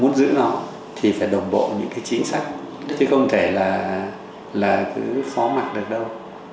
muốn giữ nó thì phải đồng bộ những cái chính sách chứ không thể là cứ phó mặt được đâu